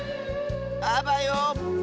あばよ！